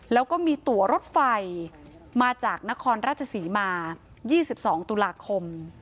แล้วก็มีตัวรถไฟมาจากนครราชศรีมา๒๒ตุลาคม